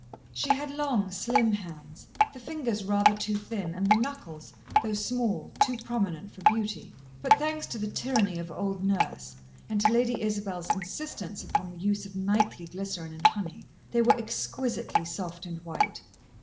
She had long, slim hands, the fingers rather too thin and the knuckles, though small, too prominent for beauty. But, thanks to the tyranny of old Nurse, and to Lady Isabel's insistence upon the use of nightly glycerine and honey, they were exquisitely soft and white.